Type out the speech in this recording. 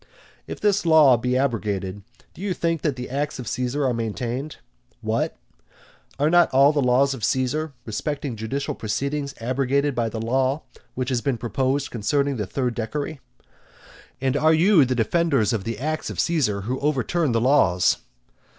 If this law be abrogated, do you think that the acts of Caesar are maintained? What? are not all the laws of Caesar respecting judicial proceedings abrogated by the law which has been proposed concerning the third decury? And are you the defenders of the acts of Caesar who overturn his laws?